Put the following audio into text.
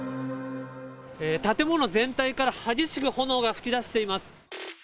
建物全体から激しく炎が噴き出しています。